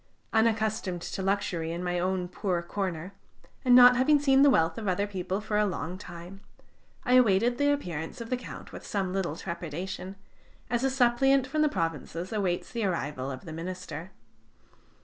Unaccustomed to luxury in my own poor corner, and not having seen the wealth of other people for a long time, I awaited the appearance of the Count with some little trepidation, as a suppliant from the provinces awaits the arrival of the minister.